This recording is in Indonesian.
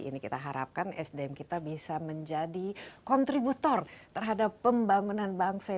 ini kita harapkan sdm kita bisa menjadi kontributor terhadap pembangunan bangsa